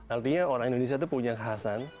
artinya orang indonesia itu punya kekhasan